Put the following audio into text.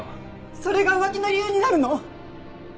それが浮気の理由になるの？